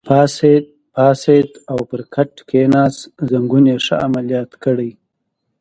پاڅېد او پر کټ کېناست، زنګون یې ښه عملیات کړی.